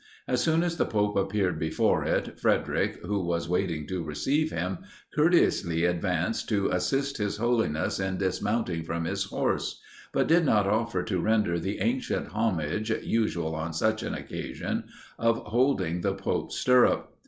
As soon as the pope appeared before it, Frederic, who was waiting to receive him, courteously advanced to assist his Holiness in dismounting from his horse; but did not offer to render the ancient homage, usual on such an occasion, of holding the pope's stirrup.